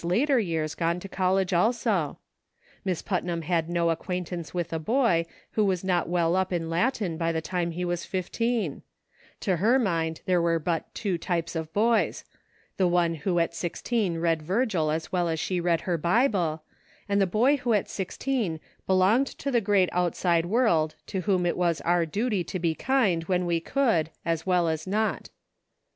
later years gone to college also ; Miss Putnam had no acquaintance with a boy who was not well up in Latin by the time he was fifteen ; to her mind there were but two types of boys — the one who at sixteen read Virgil as well as she did her Bible ; and the boy who at sixteen belonged to the great outside world to whom it was our duty to be kind when we could as well as not.